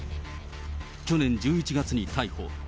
去年１１月に逮捕。